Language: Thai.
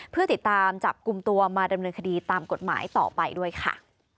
เพื่อติดตามจับกลุ่มตัวมาดำเนินคดีตามกฎหมายต่อไปด้วยค่ะ